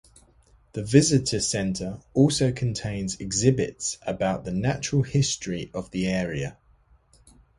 The visitor center also contains exhibits about the natural history of the area.